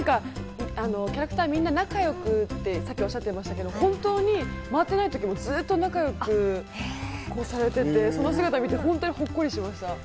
キャラクターみんな仲良くとおっしゃっていましたが、回っていない時もずっと仲良くされていて、その姿を見て、ほっこりしました。